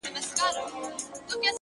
• یو ګیدړ کښته له مځکي ورکتله,